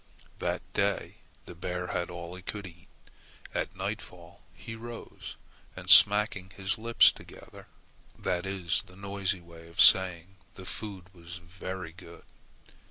That day the bear had all he could eat. At nightfall he rose, and smacking his lips together, that is the noisy way of saying "the food was very good!"